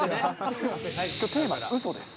きょうテーマはうそです。